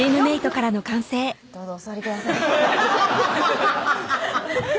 どうぞお座りください